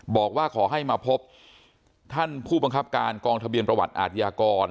บอกว่าขอให้มาพบท่านผู้บังคับการกองทะเบียนประวัติอาทยากร